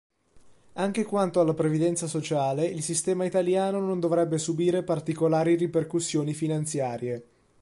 Anche quanto alla previdenza sociale, il sistema italiano non dovrebbe subire particolari ripercussioni finanziarie.